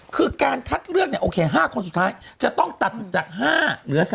คือการคัดเลือกเนี่ยโอเค๕คนสุดท้ายจะต้องตัดจาก๕เหลือ๓